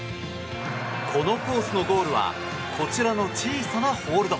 このコースのゴールはこちらの小さなホールド。